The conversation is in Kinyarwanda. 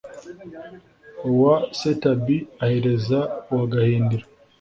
uwa séntaaby áhereza uwa gahindiro